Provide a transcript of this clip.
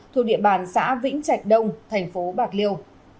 thuộc địa bàn xã vĩnh trạch đông thành phố bạc liêu